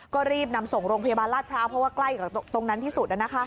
ก็รีบนำส่งโรงพยาบาลราชพร้าวเพราะว่าใกล้กับตรงนั้นที่สุด